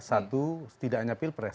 satu tidak hanya pilpres